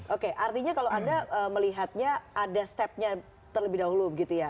oke artinya kalau anda melihatnya ada stepnya terlebih dahulu gitu ya